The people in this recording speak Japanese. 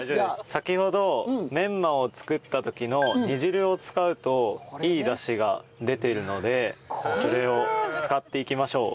先ほどメンマを作った時の煮汁を使うといいダシが出てるのでそれを使っていきましょう。